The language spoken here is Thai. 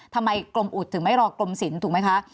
ทำไมกรมอุดถึงไม่รอกรมศิลป์ถูกไหมคะ